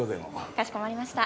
かしこまりました。